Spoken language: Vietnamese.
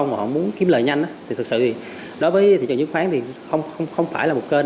mà họ muốn kiếm lời nhanh thì thực sự thì đối với thị trường chứng khoán thì không phải là một kênh